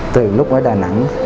từ lúc ở đà nẵng